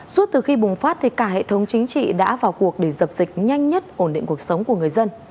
suốt từ khi bùng phát thì cả hệ thống chính trị đã vào cuộc để dập dịch nhanh nhất ổn định cuộc sống của người dân